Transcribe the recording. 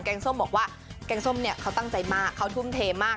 งส้มบอกว่าแกงส้มเนี่ยเขาตั้งใจมากเขาทุ่มเทมาก